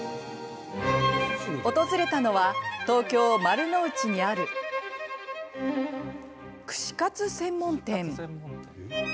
訪れたのは東京・丸の内にある串カツ専門店。